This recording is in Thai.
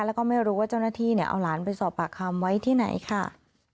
แล้วก็ไม่รู้ว่าเจ้าหน้าที่เอาหลานไปสอบปากคำไว้ที่ไหนค่ะ